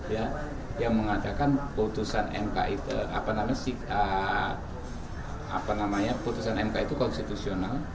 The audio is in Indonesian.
ya yang mengatakan putusan mk itu apa namanya putusan mk itu konstitusional